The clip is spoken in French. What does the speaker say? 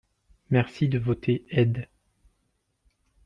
Merci de voter aide.